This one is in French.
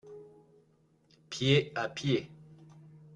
Pied à pied